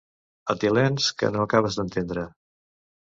Etilens que no acabes d'entendre.